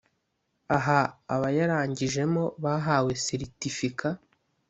Aha abayarangijemo bahawe seritifika